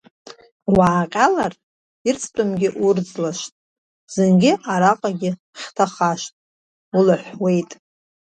Уааҟьалар ирӡтәымгьы урӡлашт, зынгьы араҟа хьҭахашт улаҳәуеит.